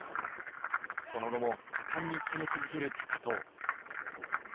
その後も果敢に攻め続ける高藤。